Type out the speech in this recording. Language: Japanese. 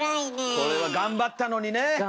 これは頑張ったのにねえ！